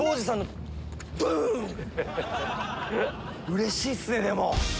うれしいっすね。